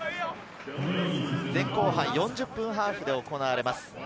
前後半４０分ハーフで行われます。